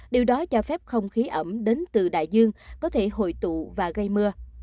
điều đó cho phép không khí ẩm đến từ đại dương có thể hội tụ và gây mưa